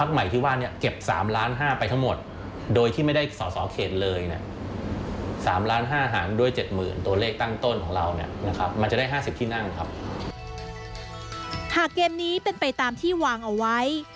หากเกมนี้เป็นไปตามที่วางเอาไว้